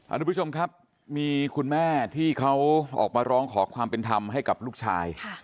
ทุกผู้ชมครับมีคุณแม่ที่เขาออกมาร้องขอความเป็นธรรมให้กับลูกชาย